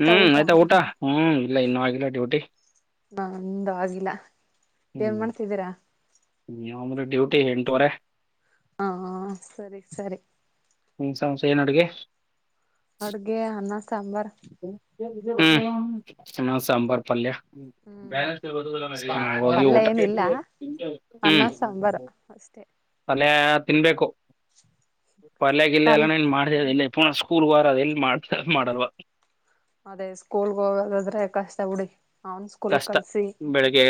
ಹ್ಮ್ ಆಯ್ತಾ ಊಟ, ಹ್ಮ್ ಇಲ್ಲ ಇನ್ನು ಆಗಿಲ್ಲ ಡ್ಯೂಟಿ. ನಂದಾಗಿಲ್ಲ. ಏನ್ ಹ್ಮ್ ಮಾಡ್ತಿದ್ದೀರಾ? [unintelligible] ಡ್ಯೂಟಿ ಎಂಟುವರೆ. ಹಾ ಸರಿ ಸರಿ. ಹ್ಮ ಸಂಸ ಏನು ಅಡ್ಗೆ? ಅಡ್ಗೆ ಅನ್ನ ಸಾಂಬಾರ. ಹ್ಮ್ ಅನ್ನ, ಸಾಂಬಾರ್, ಪಲ್ಯ. ಹ್ಮ್ ಹ್ಮಾ ಹೊಳ್ಗಿ ಊಟ, ಪಲ್ಯ ಏನಿಲ್ಲ ಅನ್ನ ಹೂಂ ಸಾಂಬಾರ್ ಅಷ್ಟೇ ಪಲ್ಯ ತಿನ್ಬೇಕು. ಪಲ್ಯಾಗಿಲ್ಯಾ ಎಲ್ಲ ಪಲ್ ನೀನ್ ಮಾಡ್ತ ಇಲ್ಲಿ ಪೂರ್ಣ ಸ್ಕೂಲ್ ಹೋದ್ರೆ ಅದೆಲ್ಲಿ ಮಾಡ್ತ ಮಾಡಲ್ವ? ಅದೇ ಸ್ಕೂಲ್ಗೆಗೋದಾದ್ರೆ ಕಷ್ಟ ಬುಡಿ. ಕಷ್ಟ ಬೆಳಿಗ್ಗೆ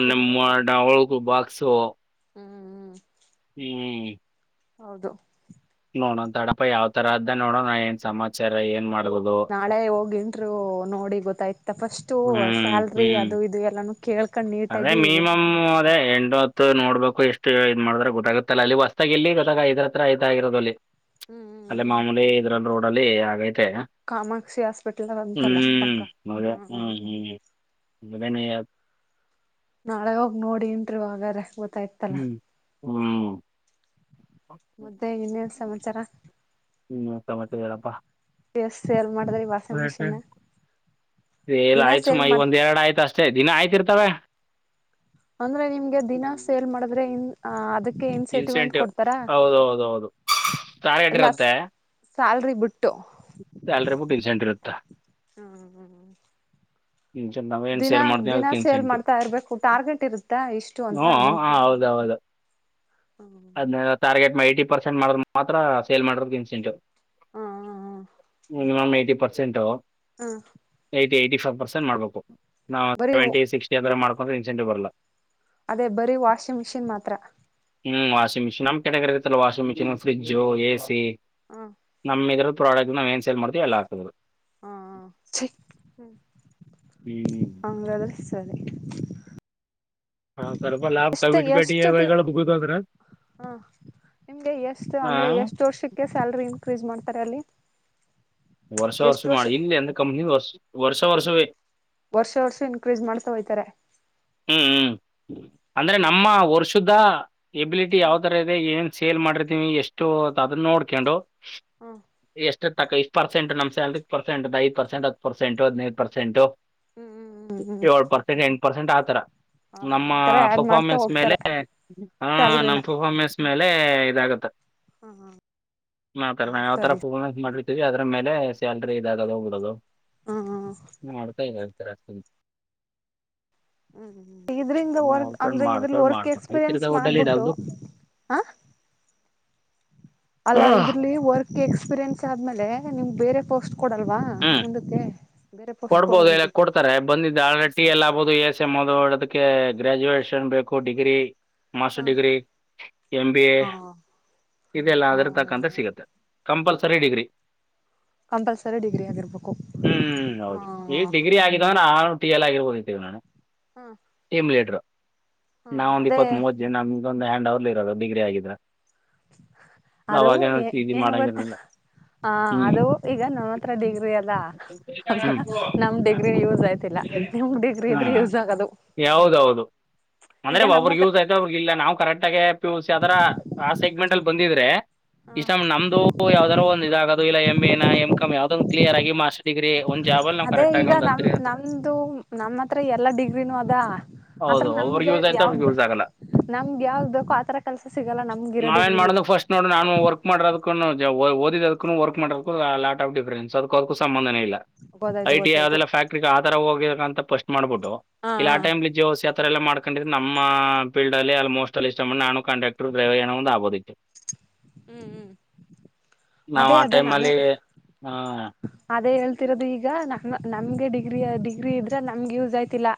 ಸ್ಕೂಲ್ ನಿಮ್ಮ ಹೋಗಿ ಹೂ ಡಹುಲ್ ಬಾಕ್ - ಸೊ ಹ್ಮ್. ಹ್ಮ್. ಹೌದು. ನೋೊಂದ ತಡಪ್ಪಾ ಯಾವ ತರ ಅ್ದ ನೋಡೋಣ ಏನ್ ಸಮಾಚಾರ ಏನ್ ಮಾಡ ನಾಳೆ ಹೋಗಿ. ಟ್ರೂ ನೋಡಿ ಗೊತ್ತಾಯ್ತು ಪಫಸ್ಟು ಹ್ಮ್ ಸ್ಯಾಲ್ರಿ ಹ್ಮ್ ಅದು ಇದು ಎಲ್ಲಾನು ಕೇಳ್ ಅದೇ ಮಿನಿಮಮ್ ಅದೇ ಎಂಟ ಹೊತ್ತು ನೋಡ್ಬೇಕು ಎಷ್ಟು ಮಾಡಿದ್ರ ಗೊತ್ತಾಗುತ್ತಲ್ಲ ಅಲ್ಲಿ ಹೊಸದಾಗ ಎಲ್ಲಿ ಗತ್ತಾಗ ಐದರತ್ರ ಆಯತ ಆಗಿರದ ಅಲ್ಲಿ. ಹ್ಮ್ ಹ್ಮ್ ಅಲ್ಲೇ ಹ್ಮ್ ಮಾಮೂಲಿ ಇದ್ರಲ್ಲಿ ರೋಡ್ ಹಾಗೈ. ಕಾಮಾಕ್ಷಿ ಹಾಸ್ಪಿಟಲ್ ಮ ಅಂತಲ್ಲ ಪಕ್ಕ ಮೌಲ್ಯ ಹ್ಮ್ ಹ್ಮ. ಬೆನ ಯ ನಾಳೆ ಹೋಗಿ ನೋಡಿ ಇಂಟರಿವ ಹಾಗಾದ ಮ ತೈತಲ್ಲ ಹ್ಮ್ ಹ್ಮ್ ಮದ್ದೆ ಇನ್ನೇ ಸಮಾಚಾರ ಇನ್ನೇನ್ ಎಸ್ ಸೇಲ್ ಮಾಡ್ [unintelligible] ಸೇಲ್ ದಿನಾ ಆಯ್ತು ಸುಮ ಈ ಮಾಡ್ ಒಂದ್ ಎರಡ್ ಆಯ್ತು ಅಷ್ಟೇ ದಿನ ಆಯ್ತಿರ್ ತವೇ ಅಂದ್ರೆ ನಿಮ್ಗೆ ದಿನಾ ಸೇಲ್ ಮಾಡಿದ್ರೆ ಎನ್ ಹ ಅದು ಇನ್ಸೆಂಟಿವ್ ಹೌದ್ ಹೌದೌದು ತಾರ್ಗೆಟ್ ಇಲ್ಲ ಇರುತ್ತೆ. ಸ್ಯಾಲ್ರಿ ಬಿಟ್ಟು ಸ್ಯಾಲ್ರಿ ಬಿಟ್ಟು ಇನ್ಸೆಂಟ್ ಇರುತ್ತೆ. ಹ್ಮ ಹ್ಮ್ ಇನ್ಸೆಂಟ್ ನಾವೇನ್ ದಿನಾ ಸೇಲ್ ಮಾಡ್ತೀವಿ ದಿನ ಅದಕ್ಕೆ ಸೇಲ್ ಇನ್ಸೆಂಟ್ ಮಾಡ್ತಾ ಇರ್ಬೇಕು ಟಾರ್ಗೆಟ್ ಇರುತ್ತಾ ಇಷ್ಟು ಅಂತ ಹ್ಞೂ ಮಂತ್ಲಿ. ಅದೀನೈಯ್ಧು ಟಾರ್ಗೆಟ್ ಮೈಟಿ ಪರ್ಸೆಂಟ್ ಮಾಡ್ರ್ ಮಾತ್ರ ಸೇಲ್ ಮಾಡೋರ್ಗ್ ಇನ್ಸೆಂಟಿವ್. ಹ್ಮ್ ಹ್ಮ್ ಹ್ಮ ಮಿನಿಮಮ್ ಎಟಿ ಪರ್ಸೆಂಟು ಹ್ಮ್ ಎಟಿ ಫೈವ್ ಪಸೆಂಟ್ ಮಾಡ್ಬೇಕು. ನಾವು ಸೆವೆಂಟಿ ಸಿಕ್ಸ್ಟಿ ಆ ತರ ಮಾಡ್ ಹಂಗೆ ಇನ್ಸೆಂಟಿವ್ ಬರಲ್ಲ. ಅದೇ ಬರೀ ವಾಷಿಂಗ್ ಮಿಷಿನ್ ಮಾತ್ರ ಹ್ಮ್ ವಾಷಿಂಗ್ ಮಿಷನ್ ನಮ್ ಕೆಟಗರಿ ಇತ್ತಲ್ಲ washing machine fridge A C ಹ್ಮ ನಮ್ಮ ಇದ್ರ ಪ್ರಾಡಕ್ಟ್ ನಾವ್ ಏನ್ ಸೇಲ್ ಮಾಡ್ತಿವ್ ಎಲ್ಲಾಕುದ್ರು. ಹಾ ಕ್ಷಿ ಹ್ಞೂ ಅಂಗಾದ್ರೆ ಸರಿ ಹಾ, ಸ್ವಲ್ಪ ಲಾಭ ಎಷ್ಟ ಕಮಿಟ್ಮೆಂಟ್ ಇ ಎಷ್ಟು ಎಮ್ ಸತಿ ಐಗಳು ಮುಗಿದಂದ್ರೆ ಹ ನಿಮ್ಗೆ ಎಷ್ಟು ಅಂದ್ರೆ ಹಾಂ ಎಷ್ಟು ವರ್ಷಕ್ಕೆ ಸ್ಯಾಲ್ರಿ ಇನ್ಕ್ರೀಸ್ ಮಾಡ್ ತರಲ್ಲಿ ವರ್ಷ ವರ್ಷ ಮಾಡಿ ಇಲ್ಲ ಅಂದ್ರ್ ಕಂಪನಿಲ್ ವರ್ಷ್ ವರ್ಷ ವರ್ಷವೇ ವರ್ಷ ವರ್ಷ ಇನ್ಕ್ರೀಸ್ ಮಾಡ್ತಾ ಹೋಯ್ತಾರೆ. ಹ್ಮ್ ಹ್ಮ್ ಅಂದ್ರೆ ಹ್ಮ್ ನಮ್ಮ ವರ್ಷದ ಎಬಿಲಿಟಿ ಹ್ಮ್ ಯಾವ್ತರ ಇದೆ ಏನ್ ಸೇಲ್ ಮಾಡಿರ್ತೀವಿ ಎಷ್ಟು ತ ಅದುನ್ ನೋಡ್ಕ್ಯಂಡು ಹ್ಮ ತಕ್ಕ ಇಷ್ಟ್ ಪರ್ಸಂಟ್ ನಮ್ ಸ್ಯಾಲ್ರಿಲಿ ಪರ್ಸೆಂಟ್ ಒಂದ್ ಐದ್ ಪಸೆಂಟ್ ಹತ್ತು ಪರ್ಸೆಂಟ್ ಹದಿನೈದು ಪರ್ಸೆಂಟು ಹ್ಮ್ ಹ್ಮ್ ಹ್ಮ್ ಏಳು ಪರ್ಸೆಂಟ್ ಏನ್ ಪರ್ಸೆಂಟ್ ಆ ತರ ಹ ನಮ್ಮ ಆತರ ಆಡ್ ಮಾಡ್ತಾ ಪರ್ಫಾರ್ಮೆನ್ಸ್ ಮೇಲೆ ಹೋಗ್ತಾರೆ ಹ ನಮ್ ಸ್ಯಾಲ್ರಿನ ಪರ್ಫಾರ್ಮೆನ್ಸ್ ಮೇಲೆ ಇದಾಗುತ್ತೆ. ಮಾ ಹಾ ತರ್ಮ ಯಾವ್ ತರ ಸರಿ ಕೂಗೊಣಂತ ಮಾಡ್ರಿ ಅದ್ರ ಮೇಲೆ ಸ್ಯಾಲ್ರಿ ಇದಾಗದ ಬುಡೋದು. ಹ್ಮ್ ಹ್ಮ್ ಅದ್ಕಾಗಿ ಹೇಳ್ ತರ ಸುನ್ ಹ್ಮ್ ಇದ್ರಿಂದ ವರ್ಕ್ ಅಂದ್ರೆ ಅಂದ್ರೆ ಇದ್ರಲ್ಲಿ ಮಾಡ್ಕೊಂಡ್ ವರ್ಕ್ ಮಾಡ್ಕೊಂಡ್ ಈ ಎಕ್ಸ್ಪೀರಿಯನ್ಸ್ ತಿರ್ಗಾ ಹೋಟೆಲ್ ಮಾಡ್ಬಿಟ್ಟು ಇದಾವ್ದು ಹ ಅಲ್ಲ ಇದ್ರಲಿ ವರ್ಕ್ ಎಕ್ಸ್ಪೀರಿಯೆನ್ಸ್ ಆದ್ಮೇಲೆ ಗೆ ನಿಮ್ ಬೇರೆ ಪೋಸ್ಟ್ ಕೊಡಲ್ವಾ ಹ್ಮ್ ಮುಂದುಕ್ಕೆ. ಕೊಡ್ಬೋದು ಎಲ್ಲ ಕೊಡ್ತಾರೆ ಬಂದಿದ್ದಾಳೆ ಟಿ ಎಲ್ಲಾ [unintelligible] ಎಸ್ ಎಡೋದಕ್ಕೆ ಗ್ರಾಜುಯೇಷನ್ ಬೇಕು ಡಿಗ್ರಿ ಹ master degree M B A ಹ ಇದೆಲ್ಲ ಹ ಅದರತಕ್ಕಂತೆ ಸಿಗತ್ತೆ. Compulsory degree. ಕಂಪಲ್ಸರಿ ಡಿಗ್ರಿ ಆಗಿರ್ಬೇಕು ಹ್ಮ್ ಇಗ್ ಡಿಗ್ರಿ ಆಗಿಲ್ಲದೋನ್ ಆ ಟಿ ಎಲ್ ಆಗರ್ಬೋದಿತ್ತೀಗ್ ನಾನು. ಹಾ ಟೀಮ್ ಲೀಡ್ರು. ಹಾ ನಾವ ಒಂದು ಅದೇ ಇಪ್ಪತ್ ಮೂವತ್ತ್ ಜಿನ್ ನಮ್ದೊಂದ ಅ ಅವ್ಲಿಲ್ಲ್ ಇರಲ್ಲ ಡಿಗ್ರಿ ಆಗಿದ್ರೆ. ಅದು ಅವಾಗೇನು ಏನು ಇದು ಏನು ಗೊತ್ತ ಮಾಡಂಗಿರಲಿಲ್ಲ ಹ ಹ್ಮ್ ಅದು ಈಗ ನಮ್ಮ ಹತ್ರ ಡಿಗ್ರಿ ಅದ ಅದ್ರ ಡಿಗ್ರಿ ಹ್ಮ ಇದ್ರೆ ಯೂಸ್ ಆಗದು ಯಾವದ ಹೌದು ಈಗ ಅಂದ್ರೆ ನಮ್ಮ ಒಬ್ಬ್ರಿಗೆ ಹತ್ರ ಯೂಸ್ ಆಯ್ತೆ ಒಬ್ರಿಗ್ ಇಲ್ಲ ನಾವು ಕರೆಕ್ಟ್ ಆಗೆ ಪಿ ಯು ಸಿ ಅದ್ರ ಆಸೆಗ್ ಮೆಂಟಲ್ ಬಂದಿದ್ರೆ ಹ ಇಷ್ಟ ನಮ್ದು ಯಾವ್ದಾರೂ ಒಂದ್ ಇದಾಗೋದು ಇಲ್ಲ ಎಂ ಏನ ಎಂ ಕಾಂ ಯಾವ್ದ ಒಂದು ಕ್ಲಿಯರ್ ಆಗಿ ಮಾಸ್ರ್ ಡಿಗ್ರಿ ಒಂದ್ ಜಾಬ್ ಅಲ್ಲಿ ನಾವು ಅದೇ ಕರೆಕ್ಟ್ ಆಗಿ ಈಗ ಒಂದ್ ನಮ ಹತ್ತಿರ ನಮ್ದು ನಮ್ಮ ಹತ್ರ ಎಲ್ಲ ಡಿಗ್ರಿನೂ ಅದ ಆತ್ರ ಹೌದು ಒಬ್ರಿಗೆ ನಮ್ಗೆ ಯೂಸ್ ಆಯ್ತು ಒಬ್ರಿಗೆ ಯಾವ್ದ ಯೂಸ್ ಆಗಲ್ಲ ನಮಗೆ ಯಾವ್ದ್ ಬೇಕೋ ಆತರ ಕೆಲ್ಸ ಸಿಗಲ್ಲ ನಮ್ಗಿರೋ ಡಿಗ್ರಿಲಿ. ಕುನು ಓದಿದದ್ಕುನು ವರ್ಕ್ ಮಾಡೋಕ್ಕು ಲಾಟ್ ಆಫ್ ಡಿಫ್ರನ್ಸ್ ಅದಕು ಅದಕ್ಕು ಸಂಂಧನೇ ಇಲ್ ಗೊತ್ತಾಯ್ತು ಐ ಟಿ ಗೊತ್ತಾಯ್ತು ಅದೆಲ್ಲ ಫ್ಯಾಟ್ರಿಗೆ ಆ ತರ ಹೋಗಿಬೇಕಂತ ಪಶ್ ಮಾಡ್ಬೋದ್ ಹಾ ಇಲ್ಲ ಹಾ ಆಟೈಮಲಿ ಜೆ ಒ ಸಿ ಆತರ ಎಲ್ಲ ಮಾಡ್ಕೊಂಡಿದ್ರೆ ನಮ್ಮ ಫೀಲ್ಡ್ ಅಲ್ಲಿ ಅಲ್ಲಿ ಮೋಸ್ಟ್ ಅಲ್ಲಿ ಇಷ್ಟ ಟೈಮಲ್ ನಾನು ಕಂಡಕ್ಟರ್ ಡ್ರೈವರ್ ಏನೋ ಒಂದ್ ಆಬೋದಿತ್ತು. ಹ್ಮ್ ಹ್ಮ್ ನಾವು ಅದೇ ಆ ಅದೇ ಟೈಮಲ್ಲಿ ನಾನು ಹಾ ಅದೇ ಹೇಳ್ತಿರೋದು ಈಗ ನ ನಮ್ಗೆ ಡಿ ಡಿಗ್ರಿಯ ಡಿಗ್ರಿ ಇದ್ರ ನಂಗ್ ಯುಜ್ ಅಯ್ ತಿಲ್ಲಾ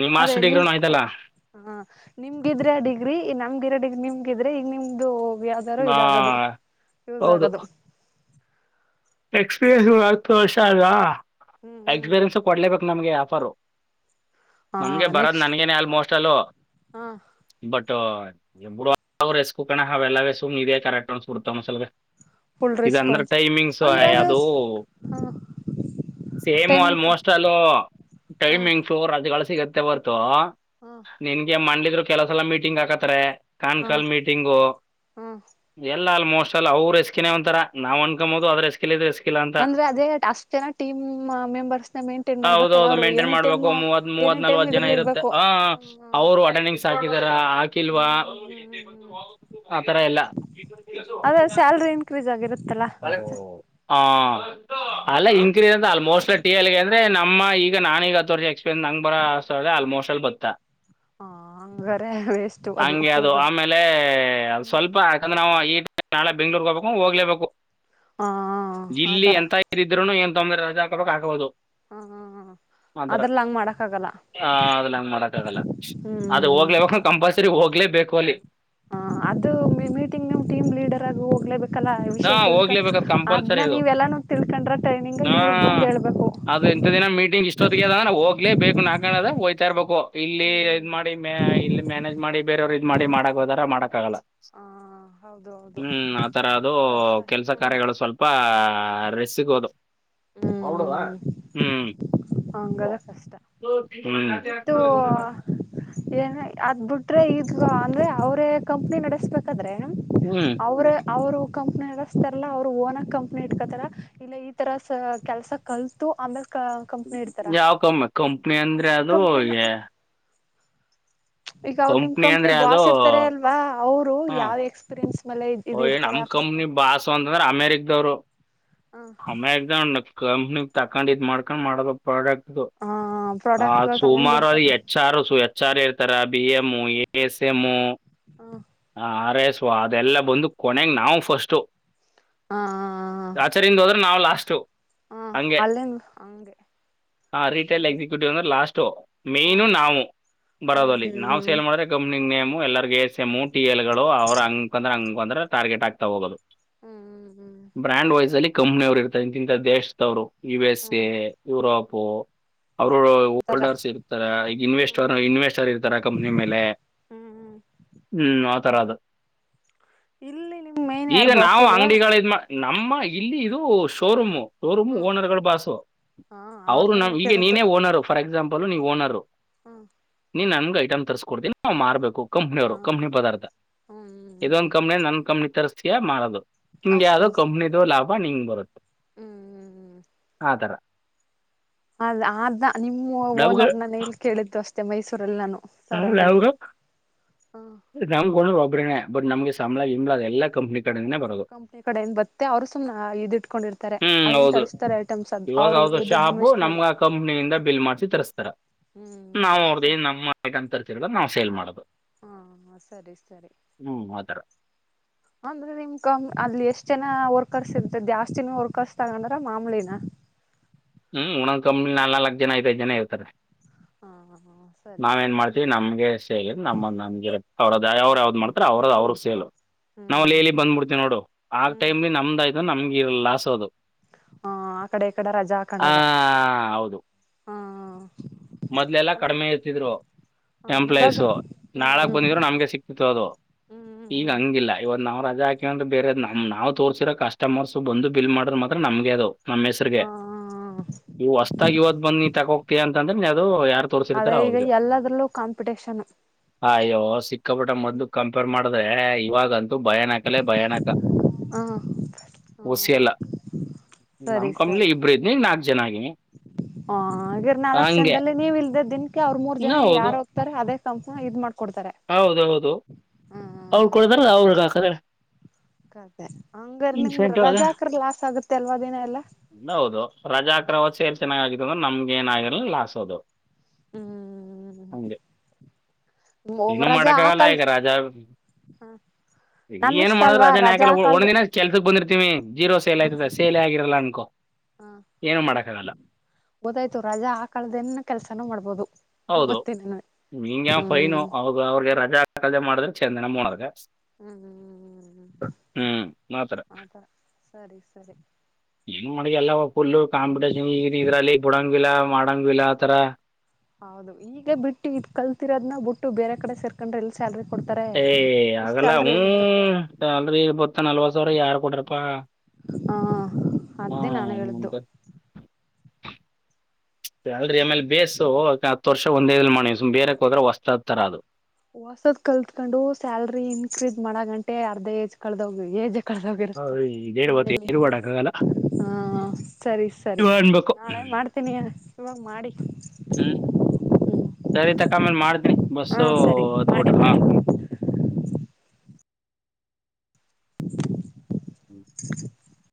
ನಿಮ್ಮ ಅದೇ ಮಾಸ್ಟರ್ ನಿಂಗ್ ಡಿಗ್ರಿನೂ ಆಯ್ತಲ್ಲ ಹ ನಿಮ್ಗ್ ಇದ್ರೆ ಆ ಡಿಗ್ರಿ ನಮ್ಗ ದಿರೆ ಡಿಗ್ ನಿಮ್ಗ ಇದ್ರೆ ಈಗ ನಿಮ್ದು ಯಾದಾರೂ ಆ, ಇದಾಗದು ಯೂಸ್ ಹೌದು ಆಗದು ಎಕ್ಸ್ಪೀರಿಯನ್ಸ್ ಹತ್ತು ವರ್ಷ ಅಲಾ ಹ್ಮ್ ಹ್ಮ್ ಎಕ್ಸ್ಪೀರಿಯೆನ್ಸ್ ಕೊಡಲೇಬೇಕ್ ನಮಗೆ ಆಫರು ಹಾ ನಮಗೆ ಬರದ್ ನೆಕ್ಸ್ಟ್ ನನ್ಗೇನೆ ಆಲ್ಮೋಸ್ಟ್ ಆಲು ಹಾ ಬಟ್ ಬಟ್ಟು ಏ ಬುಡು ಅವ ರೆಸ್ಕು ಕಣಾ ಅವೆಲ್ಲವೆ ಸುಮ್ ಇದೆ ಕರೆಕ್ಟ್ ಅನ್ಸ್ಬಿಡ್ತ ಒಂದ್ ಒಂದ್ ಸಲವೇ ಫುಲ್ ಇದ ಅಂದ್ರ ರಿಸ್ಪಾನ್ಸ್ ಟೈಮಿಂಗ್ಸ್ ಸೋ ಅಯ್ ಅದು ಹ ಸೇಮ್ ಟೈಮಿಂಗ್ಸ್ ಆಲ್ಮೋಸ್ಟ್ ಆಲ್ ಹಾ ಟೈಮಿಂಗ್ ಫ್ಲೋರ್ ಅದೇ ಸಿಗಲ ಸಿಗುತ್ತೆ ಹೊರ್ತು ಹಾ ನಿನ್ಗೆ ಮಂಡಿ ಇದ್ರು ಕೆಲವ್ ಸಲಾ ಮೀಟಿಂಗ್ ಹಾಕತ್ತಾರೆ ಕಾನ್ ಹಾ ಸಾಲ್ ಮೀಟಿಂಗು ಹಾ ಎಲ್ ಆಲ್ ಆಲ್ಮೋಸ್ಟ್ ಆಲ್ ಅವರು ರಿಸ್ಕಿನೆ ಒಂತರ ನಾವ್ ಅನ್ಕೊಬಹುದು ಆದ್ರೆ ಇಲ್ಲಿಯೀದೆ ಹಸ್ ಅಂದ್ರೆ ಅದೆಯ ಅಷ್ಟ ಜನ ಟೀಮ್ ಮೆಂಬರ್ಸ್ ಮೆಂಟೇನ್ ಮಾಡಬೇಕಲ್ಲಾ ಹೌದೌದು ಅವರು ಮೇಂಟೈನ್ ಎನಿ ಮಾಡ್ಬೇಕು ಟೈಮು ಮೂವತ್ ಎನಿ ಮೂವತ್ ಟೈಮು ನಲ್ವತ್ ಜನ ಇದರಲ್ ಇರುತ್ತೆ ಇರಬೇಕು ಅ ಆ ಅವರು ಅಟೆಂಡೆನ್ಸ್ ಹಾಕಿದಾರ ಹಾಕಿಲ್ವಾ ಹ್ಮ್ ಹ್ ಆತರ ಎಲ್ಲ ಅದೇ ಸ್ಯಾಲರಿ ಇಂಕ್ರೀಸ್ ಆಗಿರತ್ ಅಲಾ ಹಾಂ ಅಲ್ಲ ಇನ್ಕ್ರೀಸ್ ಅಂದಾ ಆಲ್ಮೋಸ್ಟ್ ಟಿ ಎಲ್ಗೆ ಅಂದ್ರೆ ನಮ್ಮ ಈಗ ನಾನೀಗ ಹತ್ತ ವರ್ಷಾ ಎಕ್ಸ್ಪೀರಿಯನ್ಸ್ ನಂಗ್ ಬರಾ ಆರ್ ಸಾವರಾ ಆಲ್ಮೋಸ್ಟ್ ಆಲ್ ಬತ್ತಾ ಹಂಗಾರೆ ವೇಸ್ಟು ಹಂಗೆ ಅದು ಹೋಗೋದು ಆಮೇಲೆ ಸ್ವಲ್ಪ ಯಾಕಂದ್ರ ಈಗಾ ನಾವು ಈ [unintelligible] ಬೆಂಗ್ಳೂರ್ಗೆ ಹೋಗಬೇಕು ಹ್ಮ್ ಹೋಗ್ಲೇಬೇಕು [unintelligible] ಹ ಇಲ್ಲಿ ಆತರ ಎಂತ ಇದರಿದ್ರೂನು ಎ ತುಂಬಿರಿ ರಜಾ ಹಾಕ್ಬೇಕು ಆಗ್ಬಹದು ಹ ಆತರ ಅದ್ರಲ್ಲಿ ಹಂಗ್ ಮಾಡಕ್ ಆಗಲ್ಲ ಹ ಅದಲ್ಲಂಗ ಮಾಡಕ ಆಗಲ್ಲ ಅದು ಹ್ಮ್ ಹೋಗ್ಲೇಬೇಕು ಕಂಪಲ್ಸರಿ ಹೋಗ್ಲೇಬೇಕು ಕೊಲಿ ಹಾ ಅದು ಮೀ ಮೀಟಿಂಗ್ನು ಟೀಮ್ ಲೀಡರ್ ಆಗ್ ಹೋಗ್ಲೇಬೇಕಲ್ಲಾ ಹಾ ವಿಷಯ ತಿಳ್ಕ ಹೋಗ್ಲೇಬೇಕದು ಅದ್ನ ಕಂಪಲ್ಸರಿ ಅದು ನೀವೆಲ್ಲಾನು ತಿಳ್ಕೊಂಡ್ರ ಟ್ರೈನಿಂಗ್ ಹಾ ಇವ್ರಗ್ ಬಂದ್ ಹೇಳ್ಬೇಕು ಅದು ಇಂಥ ದಿನ ಮೀಟಿಂಗ್ ಇಷ್ಟೊತ್ತಿಗೆ ಅದಾ ಹೋಗ್ಲೇ ಬೇಕು ನಾಕಣದ ಹೋಯ್ತಾ ಇರ್ಬೇಕು ಇಲ್ಲಿ ಹ್ಮ್ ಇದ್ ಹ್ಮ್ ಮಾಡಿ ಮ್ಯ ಇಲ್ಲಿ ಮ್ಯಾನೇಜ್ ಮಾಡಿ ಬೇರೆಯವ್ರ ಮಾಡಿ ಮಾಡಕ್ ಹೋದಾರ ಮಾಡಕ್ಕಾಗಲ್ಲ ಹಾ ಹೌದು ಹೌದು ಹ್ಮ್ ಆತರ ಅದು ಕಷ್ಟ ಕೆಲ್ಸ ಹ್ಮ್ ಕಾರ್ಯಗಳು ಆ ರೆಸ್ಟ್ ಸಿಗೋದು ಹ್ಮ್ ಹ್ಮ್ ಹ್ಮ್ ಹಂಗದ ಕಷ್ಟ ಇದು ಏನ್ ಅದ್ ಬಿಟ್ರೆ ಇ ಹ ಅಂದ್ರೆ ಅವ್ರೇ ಕಂಪ್ನಿ ನಡೆಸ್ಬೇಕಾದ ಹ್ಞೂ ಅವರ ಅವರು ಕಂಪ್ನಿ ಅಸ್ತಾರಲ್ಲಾ ಅವ್ರು ಓನ ಕಂಪ್ನಿ ಇಟ್ಕತಾರ ಇಲ್ಲ ಈ ತರ ಕೆಲಸ ಕಲ್ ತು ಆಮೇಲೆ ಕಂಪ್ನಿ ಇಡ್ತಾರ ಯಾವ ಕ ಕಂಪ್ನಿ ಅಂದ್ರೆ ನಿಮ್ ಅದು ಕಂಪ್ನಿನ [unintelligible] ಈಗ ಅವರು ನಿಮ್ ಕಂಪ್ನಿ ಅಂದರೆ ಅದು ಬಾಸ್ ಇರ್ತಾರೆ ಅಲ್ವಾ ಅವರು ಯಾವ್ ಎಕ್ಸ್ಪೀರಿಯನ್ಸ್ ಮೇಲೆ ಇದ್ ಓ ಏ ಇಡ್ತಾರೆ ನಮ್ ಆಫೀಸ್ ಕಂಪ್ನಿ ನ ಭಾಸ ಅಂತಂದ್ರೆ ಅಮೇರಿಕ್ವ್ರು ಹಮ್ಮ ಜ [inaudible] ಕಂಪ್ನಿ ತಕೊಂಡ ಇದ್ ಮಾಡ್ಕೊಂಡು ಮಾಡೋದ ಪ್ರಾಡಕ್ಟ್ ಇದು ಹ ಹ ಪ್ರಾಡಕ್ಟ್ ಗಳು ತಗೊಂಡ್ ಸೋಮಾರು ಅದು ಬಿಡ್ತಾರೆ ಎಚ್ ಸಾರು ಚಾರ ತರಾ ಬಿ ಎಮ ಎಸ್ ಎಮ್ಊ ಹಾ ಆರ್ ಎಸ್ ಅದೆಲ್ಲ ಬಂದು ಕೊನೆಗ ನಾವು ಫಸ್ಟ್ ಹ ಆಚರಿಂದ ಹೋದ್ರೆ ನಾವವು ಲಾಸ್ ಅಷ್ಟು ಹ ಹಂಗೆ ಅಲ್ಲಿಂದ ಹಂಗೆ ಹ ರಿಟೇಲ್ ಸರಿ ಸರ್ ಎಕ್ಸಿಕ್ಯೂಟಿವ್ ಅಂದ್ರೆ ಲಾಸ್ಟ ಹಾ ಮೈ್ನು ನಾವು ಹ್ಮ್ ಬರೋದಲ್ಲಿ ನಾವು ಹ್ಮ್ ಸೇಲ್ ಮಾಡಿದ್ರೆ ಕಂಪ್ನಿ ನೇಮ್ [unintelligible] ಎಲ್ಲರಿಗೆ ಸಮೋಟ್ [unintelligible] ಟಿ ಎಲ್ ಗಳು ಅವ್ರ ಅಂಕ್ ಅಂದ್ರಂಗ ಒಂದ್ರೆ ಟಾರ್ಗೆಟ್ ಆಗ್ತಾ ಹೋಗೋದು ಹ್ಮ್ ಬ್ರ್ಯಾಂಡ್ ವೈಸ್ ಅಲ್ಲಿ ಕಂಪ್ನಿ ಅವರು ಇರ್ತ ಇಂತ ದೇಶಸ್ ಅವರು ಯು ಎಸ್ ಎ ಯುರೋಪ್ ಪೋ ಅವರು ಆತರ ಓಲ್ಡರ್ಸ್ ಇರ್ತಾರೆ ಈ ಹ್ಮ್ ಇನ್ವೆಸ್ಟರ್ ಇನ್ವೆಸ್ಟರ್ ಇರ್ತಾರ ಕಂಪ್ನಿ ಮೇಲೆ ಹ್ಮ್ ಹ್ಮ್ ಹ್ಮ್ ಆತರ ಅದು ಇಲ್ಲಿ ನಿಮ್ ಮೇನ್ ಯಾರು ಈಗ ನಾವು ಬಾಸಿಲ್ವಾ ಅಂಗಡಿಗಳ ಇದ್ ಮಾ ನಮ್ಮ ಇಲ್ಲಿ ಇದು ಶೋರೂಮು ಶ್ಟೋರೂಮ್ ಹ್ಮ್ ಓನರ್ಗಳು ಬಾಸು ಹಾ ಅವರು ಅವ್ರನೇ ನಮ ಈಗೆ ನೀನೇ ಓನರ್ ಫಾರ್ ಎಕ್ಸಾಂಪಲ್ ಲು ನೀವು ಓನರ್ರು ಹ್ಮ ನೀನ್ ನನ್ ಐಟಮ್ ತರಿಸಸ್ಕಡ್ತೀನಿ ನಾನ್ ಮಾರ ಬೇಕು ಕಂಪನ ಅವರ ಹಾ ಕಂಪನ ಪದಾರ್ಥ ಹ್ಮ್ [unintelligible] ಹ್ಮ್ ಇದೊಂದು ಹ್ಮ್ ಕಂನಿ ನ ಕಂನಿ ತರಿಸ ಮಾಡೋದು ಹಂಗಗೆ ಅಷ್ಟೇ ಯಾವ್ದೋ ಅಷ್ಟೇ ಕಂಪ್ನಿದು ಲಾಭ ಬಿಂಗ್ ಬರುತ್ತೆ ಹ್ಮ್ ಹ್ಮ್ ಹ್ಮ್ ತರ ಅ ಆದ ನಿಮ್ಮ ಓನರ್ ನಾನ ಎಲ್ಲಿ ಕೇಳಿದ್ದು ಅಷ್ಟೆ ಮೈಸೂರಲ್ಲಿ ನಾನು ಸರೌಂಡಿಂಗು ಹ ನಾಮ ಕಣ ರ [inaudible] ಬಟ್ ನಮಗೆ ಸಳ ಇ ಎಲ್ಲ ಕಂಪನಿ ಬದು ಕಂಪ್ನಿ ಕಡೆಯಿಂದ ಬತ್ತೆ ಅವರು ಸುಮ್ನೆ ಇದ್ ಇಟ್ಕೊಂಡಿರ್ತಾರೆ ಹ್ಮ್ ಅಲ್ಲಿಂದ ಹೌದು ತರಿಸ್ತಾರೆ ಐಟಮ್ಸ್ ಅದು ಅವ್ರು ಇವಾಗ ದುಡ್ಡು ಶಾಪ್ ಇನ್ವೆಸ್ಟ್ ನಮ್ಗ ಮಾಡಿ ಆ ಕಂಪ್ನಿಯಿಂದ ಬಿಲ್ ಮಾಡ್ಸಿ ತರಿಸಸ್ತಾರ ನಾವು ಹ್ಮ್ ಅವ್ರದ ನಮ್ಮ ಅಂತ ತರ್ತಿರ ನಾವು ಸೇಲ್ ಮಾಡೋದು ಹಾ ಸರಿ ಸರಿ ಹ್ಮ್ ಆ ಥರ ಅಂದ್ರೆ ನಿಮ್ ಕ ಅಲ್ಲಿ ಎಷ್ಟ ಜನ ರ್ ಕರ್ಸಿರ್ತ ಜಾಸ್ತಿನ ಹೊರ್ಕರ್ಸ ತಗೊಂಡ್ರ ಮಾಮೂಲಿನ ಹ್ಮ್ ಒಣಂದ್ ಕಂಪ್ನಿಲ್ ನಾಲ್ ನಲ್ಕ ಜನ ಐದೈದ್ ಜನ ಇರ್ತಾರೆ. ಹಾ ಹಾ ಸರಿ ನಾವೇನ್ ಸರಿ ಮಾಡ್ತೀವಿ ನಮ್ಗೆ ಸೇರಿ ನಮ್ಮ ನಮಗಿರತ್ತ ಅವ್ರದ ದಯ ಅವ್ರ ಯಾವ್ದ್ ಮಾಡ್ತರ್ ಅವ್ರದ್ ಅವ್ರಗ್ ಸೇಲು. ನಾವು ಅಲ್ಲಿ ಎಲ್ಲಿ ಹ್ಮ್ ಬಂದ್ಬಿಡ್ತೀವಿ ನೋಡು ಆ ಹ್ಮ್ ಟೈಮ್ಲಿ ನಮ್ದಾಯ್ ಇದು ನಮ್ಗೆ ಇ ಲಾಸ್ ಅದು ಹಾ ಅ ಕಡೆ ಕಡೆ ರಜಾ ಹ ಹಾಕೊಂಡಾಗ ಹೌದು ಹ ಮೊದ್ಲೆಲ್ಲಾ ಅದ ಕಡಿಮೆ ಇರ್ತಿದ್ರು ಹ ಇವಾಗ ಎಂಪ್ಲಾಯೀಸು ಹ್ಮ್ ನಾಳಕ್ ಬಂದಿದ್ರು ಹ್ಮ್ ನಮ್ಗೆ ಸಿಕ್ತಿತ್ತು ಅದು ಹ್ಮ್ ಹ್ಮ್ ಈಗ ಹ್ಮ್ ಹಂಗಿಲ್ಲ ಇವಂದು ನಾವ್ ರಜಾ ಹಾ ಯ್ರೆ ಬೇರೆ ನಾವು ತೋರ್ಸಿೋ ಕಟಮರ್ಸ್ ಬಂದು ಬಿಲ್ ಮಾಡ್ರ ಮಾತ್ರ ನಮ್ಗೆ ಅದುಾವ ನಮ್ಮ ಹೆಸಗೆ ಹ ಇವು ಹೊಸತಾಗ ಇವತ್ ಬನ್ನಿ ತಗೋಗ್ತಿಯ ಅಂತ ದು ಯಾರು ತೋರಿಸಿರ್ತಾರ ಅದೇ ಈಗ ಅವ್ರಿಗೆ ಎಲ್ಲದ್ರಲ್ಲೂ ಕಾಂಪಿಟೇಷನ್ ಅಯ್ಯೋ ಸಿಕ್ಕಬಿಟ್ಟ ಮೊದ ಕಂಪೇರ್ ಮಾಡಿದೆ ಇವಾಗಂತ ಭಯಾನಕಲ್ಲೇ ಭಯಾನಕ ಹ ಹಸಿಯಲ್ಲ ನಮ್ ಕಮ್ಮಲೆ ಇಬರು ಾಕು ಜನಾಗಿಿ ಹಾ ಗಿರ್ ನಾಲ್ಕು ಜನದಲ್ಲಿ ನೀವ ಇಲ್ದೆ ದಿನಕ್ಕೆ ಅವ್ರ ಮೂರ್ ಹ್ಮ್, ಜನ ಹೌದು ಯಾರು ಹೋಗ್ತಾರೆ ಅದೇ ತಪಾ ಇದ ಮಾಡ ಹೌದೌದು ಅವರು ಕೊಡತಾರ ಅವ್ರಗ ಹಾಕದ್ರ ಕದೆ ಹಂಗ್ರ ನಿಂಗ ಅದ ರಜಾ ಅಕ್ರ ಗ ಲಾಸ್ ಆಗುತ್ತೆ ಅಲ್ವ ದಿನ ಎಲ್ಲ ಸೇರ್ ಚೆನ್ನಾಗಿಗತ್ತು ಅಂದ್ರ ನಮಗೆ ಏನ ಆಗರಲ್ಲ ಲಾಸ್ ಅದೊ ಹ್ಮ್ ಹಂಗೆ ಏನು ರಜಾ ಮಾಡಕ ಆಗಲ್ಲ ಹಾಕಲ್ ಈಗ ರಾಜ ಹ ಈಗ ನಮ್ ಏನ್ ಇಷ್ಟ ಮಾಡುದ ಅಲ್ವಾ ರಾಜ ರಜಾ ಯಾಕಲ್ಲ ಒಂದ ಹಾಕಲ್ದ ದಿನ ಕೆಲ್ಸಕ್ ಬಂದಿರ್ತೀವಿ ಜೀರೋ ಸೇಲ್ ಆಯ್ತದ ಸೇಲ್ ಆಗ ಕಿರಲ್ಲ ಆನ್ಕೊ ಹಾ ಗೊತ್ತಾಯ್ತು ರಜಾ ಆ ಹಾಕಳ್ದೇನೇನು ಕೆಲ್ಸನೂ ಮಾಡ್ಬೋದು ಹೌದು ಮತ್ತಿನ್ನ್ ಹಿಂಗೆ ಫೈನು ಹ್ಮ್. ಹೌದು ಅವ್ರಿಗೆ ರಜಾ ಹಾಕಳ್ದೆ ಮಾಡಿದ್ರೆ ಚೆಂದ ನಮ್ ಓನರ್ಗ. ಹ್ಮ್ ಹ್ಮ್ ಹ್ಮ್ ಮಾತ್ರ ಆತರ ಸರಿ ಸರಿ ಏನ್ ಮಾಡ್ಗ್ಯಲ್ಲವ ಫುಲ್ ಕಾಂಪಿಟೇಷನ್ ಈದ್ ಇದ್ರಲ್ಲಿ ಬಿಡಂಗಲ್ಲಾ ಮಾಡಂಗಿಲ್ಲ ಆ ತರ ಹೌದು ಈಗ ಬಿಟ್ಟು ಇದ್ ಕಲ್ತಿರೋದ್ನ ಬಿಟ್ಟು ಬೇರೆ ಕಡೆ ಸೇರ್ಕೊಂಡ್ರೆ ಎಲ್ ಸ್ಯಾಲ್ರಿ ಕೊಡ್ತಾರೆ ಏಯ ಇಷ್ಟ್ ಹಾಗಲ್ಲ ಹ್ ಸ್ಯಾಲ್ರಿ ಎಲ್ಲಿ ಬರುತ್ತೆ ಸ್ಯಾಲ್ರಿ ಗೊತ್ತ ನಲ್ವತ್ತ್ ಸಾವಿರ ಯಾರು ಕೊಟ್ರಪ್ಪಾ ಹ ಹ್ಮ ಅದೇ ನಾನು ಹೇಳಿದ್ದು ಉಂಡೆ ಸ್ಯಾಲ್ರಿ ಆಮೇಲೆ ಬೇಸು ಅದ್ಕೆ ಹತ್ ವರ್ಷ ಒಂದೇಲ್ ಇಲ್ ಮಾಡಿನ್ ಸುಮ್ ಬೇರೆಕ್ ಹೋದ್ರೆ ಹೊಸ್ತತರ ಅದು. ವಸದ್ ಕಲ್ತ್ಕೊಂಡು ಸ್ಯಾಲ್ರಿ ಇನ್ಕ್ರೀಸ್ ಮಾಡಗಂಟೆ ಅರ್ಧ ಏಜ್ ಕಳ್ದೋಗ್ ಏಜೆ ಕಳ್ದೋಗಿರುತ್ತೆ ಹೌದು, ಇದೇನು ಗೊತ್ತು ಇನ್ನೆಲ್ಲಿ ಏನು ಮಾಡೋಕ್ಕಾಗಲ್ಲ ಹಾ ಸರಿ ಸರಿ ನೀವು ಅನ್ಬೇಕು ನಾಳೆ ಮಾಡ್ತೀನಿ ಇವಾಗ್ ಮಾಡಿ ಹ್ಞೂ ಸರಿ ತಕ ಆಮೇಲೆ ಮಾಡ್ತೀನಿ ಬಸ್ಸು ಹ್ಮ್ ಸರಿ ಹಾಗೆ ಹತ್ಬಿಟ್ಟು ಮಾಡಿ. ಹಾಂ [inaudible]